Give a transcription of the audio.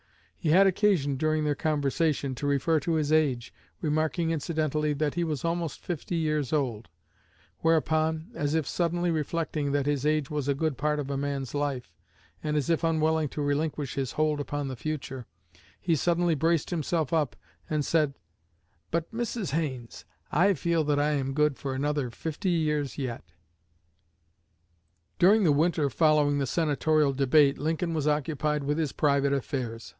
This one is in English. He had occasion during their conversation to refer to his age, remarking incidentally that he was almost fifty years old; whereupon, as if suddenly reflecting that his age was a good part of a man's life, and as if unwilling to relinquish his hold upon the future, he suddenly braced himself up, and said, 'But, Mrs. Haines, I feel that I am good for another fifty years yet.'" During the winter following the Senatorial debate Lincoln was occupied with his private affairs.